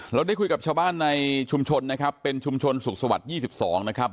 เราได้คุยกับชาวบ้านในชุมชนนะครับเป็นชุมชนสุขสวัสดิ์๒๒นะครับ